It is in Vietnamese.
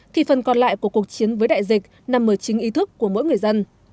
thì phần còn lại của cuộc chiến với đại dịch nằm ở chính ý thức của mỗi người dân